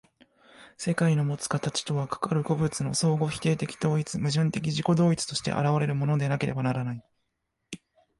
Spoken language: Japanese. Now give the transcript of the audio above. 世界のもつ形とは、かかる個物の相互否定的統一、矛盾的自己同一として現れるものでなければならない。